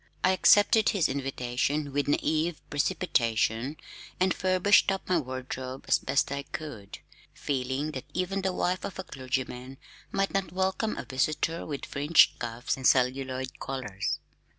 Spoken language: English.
I accepted his invitation with naïve precipitation and furbished up my wardrobe as best I could, feeling that even the wife of a clergyman might not welcome a visitor with fringed cuffs and celluloid collars.